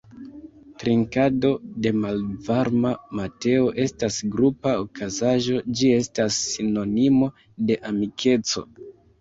Trinkado de malvarma mateo estas grupa okazaĵo, ĝi estas sinonimo de amikeco.